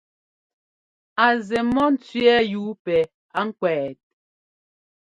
A zɛ mɔ́ ńtsẅɛ́ɛ yúu pɛ a ŋkwɛt ?